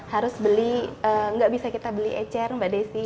harus beli nggak bisa kita beli ecer mbak desi